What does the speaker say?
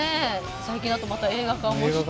最近だとまた映画化もして。